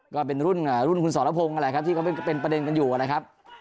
ก็เป็นรุ่นรุ่นคุณสรพงฮ์อะไรครับที่ก็เป็นประเด็นกันอยู่กันนะครับ